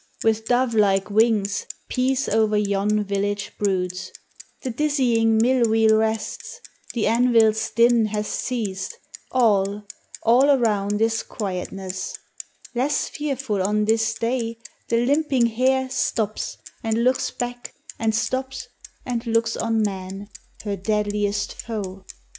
With dovelike wings Peace o'er yon village broods ; The dizzying mill wheel rests; the anvil's din Hath ceased; all, all around is quietness. Less fearful on this day, the limping hare IV — 13 194 THE HIGHER LIFE. Stops, and looks back, and stops, and looks on man, Her deadliest foe.